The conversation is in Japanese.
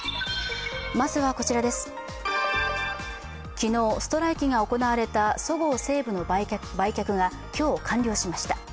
昨日、ストライキが行われたそごう・西武の売却が今日、完了しました。